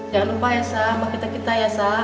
jangan lupa ya sa sama kita kita ya sa